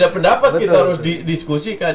pendapat berbeda kita harus diskusikan